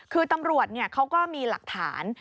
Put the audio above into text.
คือตำรวจเขาก็มีหลักฐาน